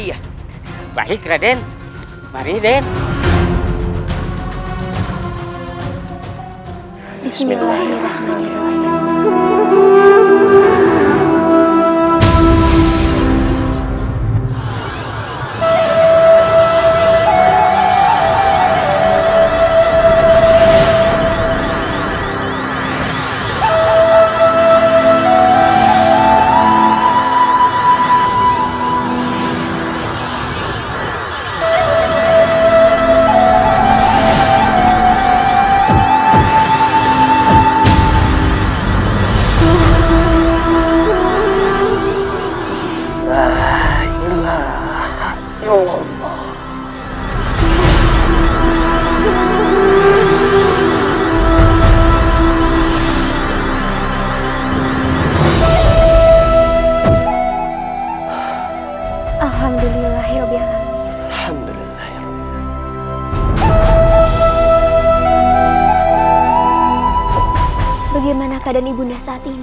aku harus menghentikan mereka